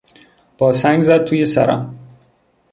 با سنگ زد توی سرم.